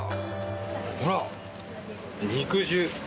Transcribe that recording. ほら、肉汁！